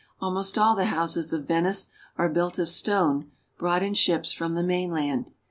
Almost all the houses of Venice are built of stone brought in ships from the mainland.